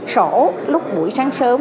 sổ lúc buổi sáng sớm